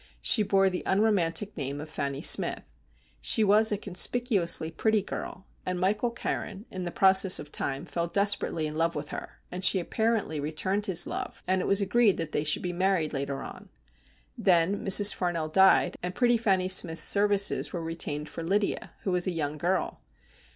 She bore the unromantic name of Fanny Smith. She was a conspicuously pretty girl, and Michael Carron, in the process of time, fell desperately in love with her, and she apparently returned his love, and it was agreed that they should be married later on. Then Mrs. Farnell died, and pretty Fanny Smith's services were retained for Lydia, who was a young girl.